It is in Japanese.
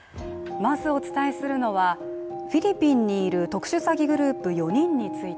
まずお伝えするのはフィリピンにいる特殊詐欺グループ４人について。